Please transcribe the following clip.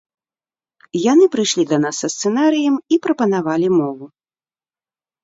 Яны прыйшлі да нас са сцэнарыем і прапанавалі мову.